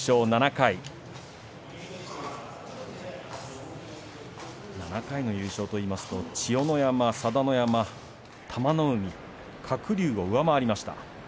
７回の優勝といいますと千代の山、佐田の山、玉の海鶴竜を上回りました。